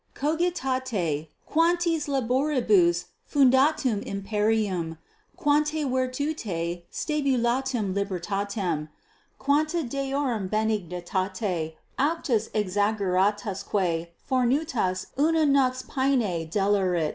Cogitate, quantis laboribus fundatum imperium, quanta virtute stabilitam libertatem, quanta deorum benignitate auctas exaggeratasque fortunas una nox paene delerit.